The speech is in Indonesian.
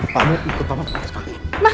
pak ikut papa